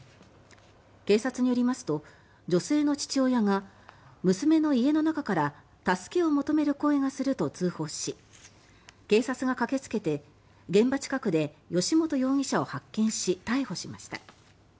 警察によりますと、女性の父親が娘の家の中から助けを求める声がすると通報し警察が駆けつけて、現場近くで吉元容疑者を発見し逮捕しました。